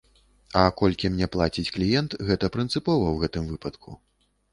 А колькі мне плаціць кліент, гэта прынцыпова ў гэтым выпадку.